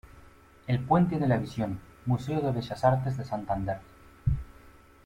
El Puente de la visión, Museo de Bellas Artes de Santander.